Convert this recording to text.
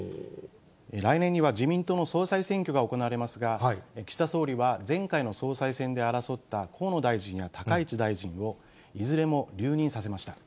来年には自民党の総裁選挙が行われますが、岸田総理は前回の総裁選で争った河野大臣や高市大臣をいずれも留任させました。